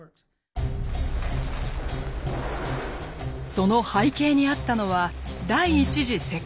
その背景にあったのは第１次世界大戦。